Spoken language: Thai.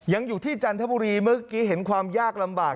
ยังอยู่ที่จันทบุรีเมื่อกี้เห็นความยากลำบาก